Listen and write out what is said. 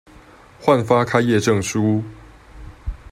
換發開業證書